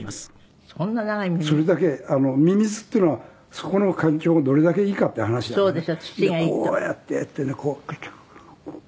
それだけミミズっていうのはそこの環境がどれだけいいかっていう話だからね。でこうやってやってね。